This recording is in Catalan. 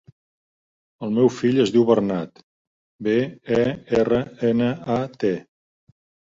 El meu fill es diu Bernat: be, e, erra, ena, a, te.